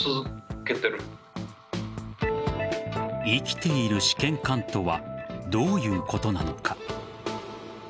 生きている試験管とはどういうことなのか。